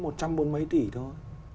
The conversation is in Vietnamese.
một trăm bốn mươi tỷ thôi